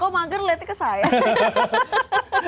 kok mager liatnya ke saya